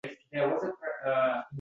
Har qismda yangi mavzu.